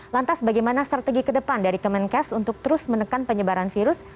lantas bagaimana strategi ke depan dari kemenkes untuk terus menekan penyebaran virus